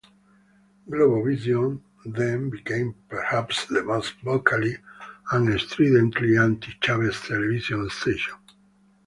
Globovision then became perhaps the most vocally and stridently anti-Chavez television station.